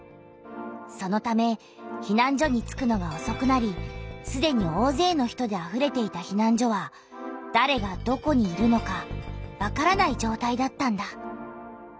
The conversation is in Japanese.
そのためひなん所に着くのがおそくなりすでにおおぜいの人であふれていたひなん所はだれがどこにいるのかわからないじょうたいだったんだ。